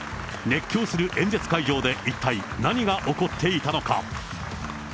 熱狂する演説会場で一体何が起こっていたのか。